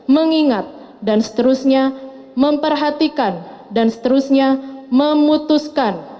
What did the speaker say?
mengingat dan seterusnya memperhatikan dan seterusnya memutuskan